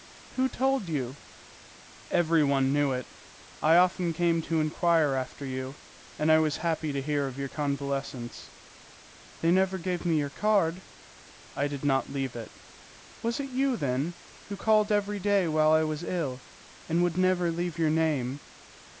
"Who told you?" "Every one knew it; I often came to inquire after you, and I was happy to hear of your convalescence." "They never gave me your card." "I did not leave it." "Was it you, then, who called every day while I was ill, and would never leave your name?"